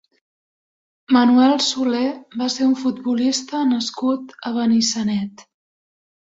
Manuel Solé va ser un futbolista nascut a Benissanet.